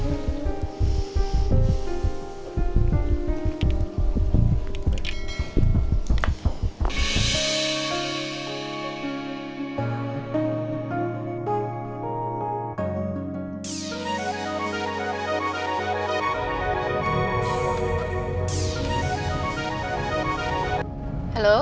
terima kasih ren